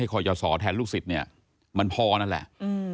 ให้คอยจ่อสอแทนลูกสิทธิ์นี่มันพอนั่นแหละ